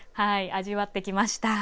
味わってきました。